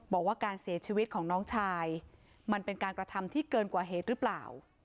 บอกว่าการเสียชีวิตของน้องชายมันเป็นการกระทำที่เกินกว่าเหตุหรือเปล่า